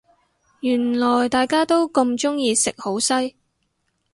原來大家都咁鍾意食好西